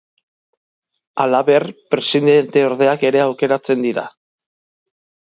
Halaber, presidenteordeak ere aukeratzen dira.